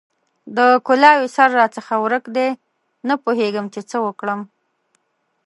د کلاوې سر راڅخه ورک دی؛ نه پوهېږم چې څه وکړم؟!